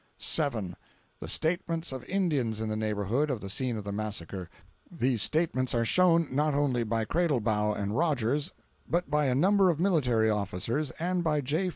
"7. The statements of Indians in the neighborhood of the scene of the massacre: these statements are shown, not only by Cradlebaugh and Rodgers, but by a number of military officers, and by J.